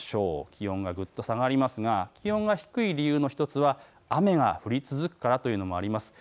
気温がぐっと下がりますが気温が低い理由の１つは雨が降り続くからというのもあります。